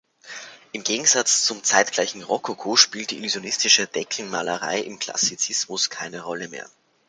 Im Gegensatz zum zeitgleichen Rokoko spielt die illusionistische Deckenmalerei im Klassizismus keine Rolle mehr.